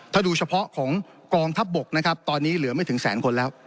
ถ้าดูเฉพาะของกองทัพบกนะครับตอนนี้เหลือไม่ถึงแสนคนแล้ว